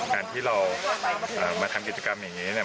การที่เรามาทำกิจกรรมอย่างนี้เนี่ย